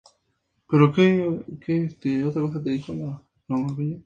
Las áreas loreal y orbital son negruzcas.